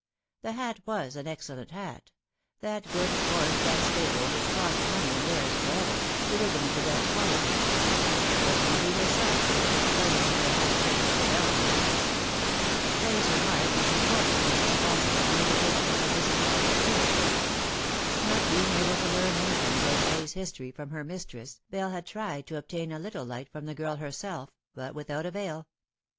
The hat was an excellent hat : that good coarse Dunstable, which costs money and wears for ever, the ribbon of the best quality ; but Hebe herself would have looked plain under a hat shaped like a bell glass. Fay's remark was recorded to Mrs. Fausset as the indication of a discontented spirit. Not being able to learn anything about Fay's history from her mistress, Bell had tried to obtain a little light from the girl herself, but without avail.